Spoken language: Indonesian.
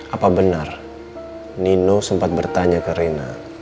apa benar nino sempat bertanya ke rena